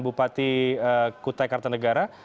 bupati kutai kartanegara